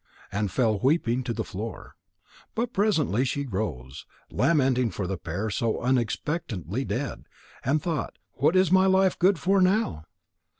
and fell weeping to the floor. But presently she rose, lamenting for the pair so unexpectantly dead, and thought: "What is my life good for now?"